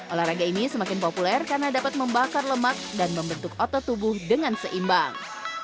olahraga ini semakin populer karena dapat membakar lemak dan membentuk otot tubuh dengan seimbang